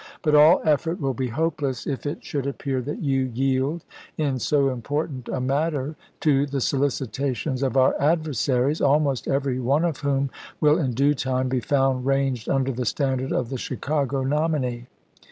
But all effort will be hopeless, if it should appear that you yield in so important a matter to the sohcitations of our adversaries, almost every one of whom will in due time be found ranged under the standard of the Chicago nominee.